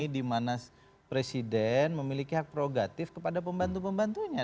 dimana presiden memiliki hak prerogatif kepada pembantu pembantunya